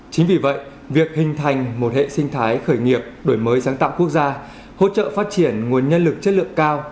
chính vì vậy việc hình thành một hệ sinh thái khởi nghiệp đổi mới sáng tạo quốc gia hỗ trợ phát triển nguồn nhân lực chất lượng cao